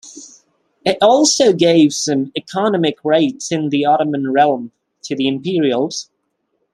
It also gave some economic rights in the Ottoman realm to the Imperials.